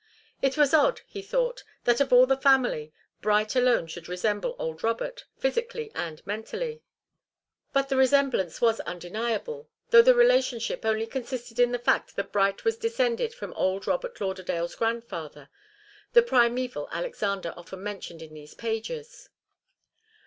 It was odd, he thought, that of all the family Bright alone should resemble old Robert, physically and mentally, but the resemblance was undeniable, though the relationship only consisted in the fact that Bright was descended from old Robert Lauderdale's grandfather, the primeval Alexander often mentioned in these pages.